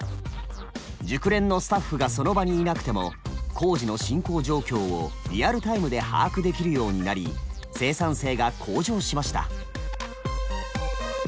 熟練のスタッフがその場にいなくても工事の進行状況をリアルタイムで把握できるようになり生産性が向上しました。